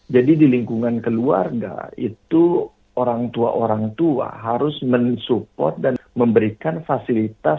jadi di lingkungan keluarga itu orang tua orang tua harus mensupport dan memberikan fasilitas